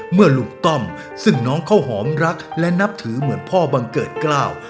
เมื่อลุงต้อมซึ่งน้องข้าวหอมรักและนับถือเหมือนพ่อบังเกิดเกล้า